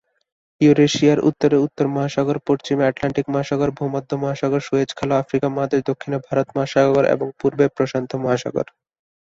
ইউরেশিয়ার উত্তরে উত্তর মহাসাগর; পশ্চিমে আটলান্টিক মহাসাগর, ভূমধ্যসাগর, সুয়েজ খাল ও আফ্রিকা মহাদেশ; দক্ষিণে ভারত মহাসাগর এবং পূর্বে প্রশান্ত মহাসাগর।